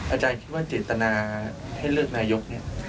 อาจารย์คิดว่าโจทธนาให้เลือกนายก